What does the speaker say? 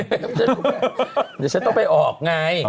เดี๋ยวฉันต้องไปออกไง